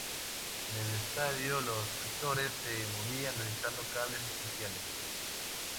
En el estudio, los actores se movían utilizando cables especiales.